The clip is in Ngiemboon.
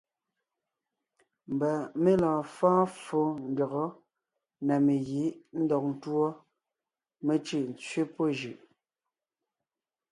Mbà mé lɔɔn fɔ́ɔn ffó ndÿɔgɔ́ na megǐ ńdɔg ńtuɔ, mé cʉ́ʼ ńtsẅé pɔ́ jʉʼ.